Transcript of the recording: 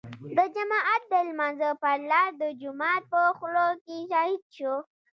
د جماعت د لمانځه پر لار د جومات په خوله کې شهيد شو.